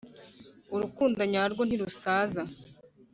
urukundo nyarwo ntirusaza